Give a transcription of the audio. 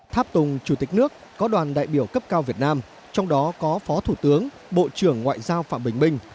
tháp tùng chủ tịch nước có đoàn đại biểu cấp cao việt nam trong đó có phó thủ tướng bộ trưởng ngoại giao phạm bình minh